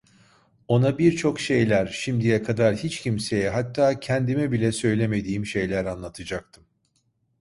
Ona birçok şeyler, şimdiye kadar hiç kimseye, hatta kendime bile söylemediğim şeyler anlatacaktım.